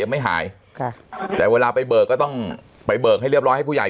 ไม่หายค่ะแต่เวลาไปเบิกก็ต้องไปเบิกให้เรียบร้อยให้ผู้ใหญ่